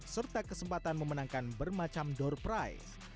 serta kesempatan memenangkan bermacam door price